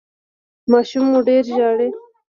ماشوم مو ډیر ژاړي؟